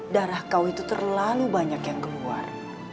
darah kau itu terlalu banyak yang keluar